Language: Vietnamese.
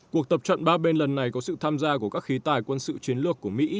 cuộc tập trận ba bên lần này có sự tham gia của các khí tài quân sự chiến lược của mỹ